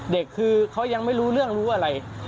เด็กคือเขายังไม่รู้เรื่องรู้อะไร